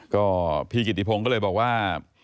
ก็พี่กีตีภงก็เลยบอกว่า